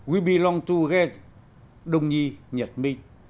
we belong together đông nhi nhật minh